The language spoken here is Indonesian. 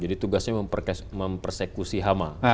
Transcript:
jadi tugasnya mempersekusi hama